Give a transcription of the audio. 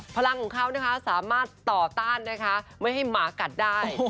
พลังเขาสามารถต่อต้านไม่ให้หมากัดได้